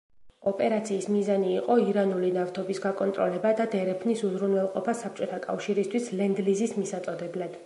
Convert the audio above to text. ოპერაციის მიზანი იყო ირანული ნავთობის გაკონტროლება და დერეფნის უზრუნველყოფა საბჭოთა კავშირისთვის ლენდ-ლიზის მისაწოდებლად.